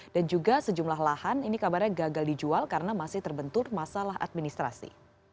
dan juga sejumlah lahan ini kabarnya gagal dijual karena masih terbentur masalah administrasi